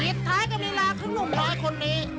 อีดท้ายกับรีลาครึ่งลุมหลายคนนี้